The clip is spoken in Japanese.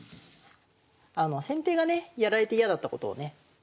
先手がねやられて嫌だったことをね